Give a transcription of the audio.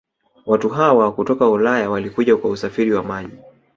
Watu hawa kutoka ulaya Walikuja kwa usafiri wa maji